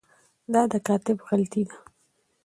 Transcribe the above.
دا د کاتب غلطي ده.